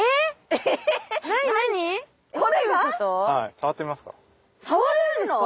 触ってみますか？